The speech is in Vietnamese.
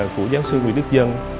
của giáo sư nguyễn đức dân